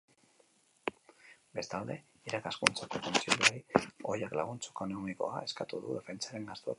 Bestalde, irakaskuntzako kontseilari ohiak laguntza ekonomikoa eskatu du defentsaren gastuak ordaintzeko.